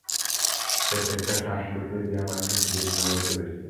প্রত্যেকটা শাঁসকে চিবিয়ে আমার থুতু দিয়ে খামির করেছি।